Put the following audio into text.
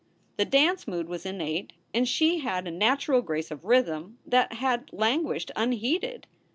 The dance mood was innate and she had a natural grace of rhythm that had languished unheeded.